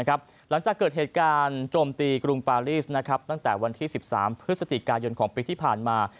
หลังจากเกิดเหตุการณ์โจมตีกรุงปารีสตั้งแต่วันที่๑๓พฤศจิกายนของปีที่ผ่านมา